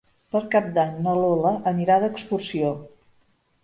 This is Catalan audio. Per Cap d'Any na Lola anirà d'excursió.